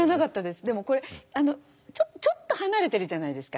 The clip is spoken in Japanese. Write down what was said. でもこれちょっと離れてるじゃないですか。